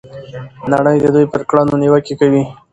نړۍ د دوی پر کړنو نیوکې کوي.